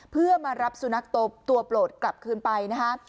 เพื่อมารับสุนัขตัวโปรดกลับคืนไปนะคะ